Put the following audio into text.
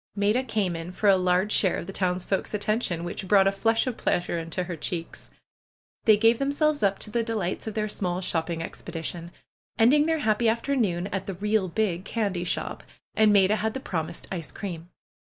Maida came in for a large share of the townsfolks' attention, which brought a flush of pleasure into her cheeks. They gave themselves up to the delights of their small shopping expedition, ending their happy after noon at the '^real big" candy shop, and Maida had the promised ice cream.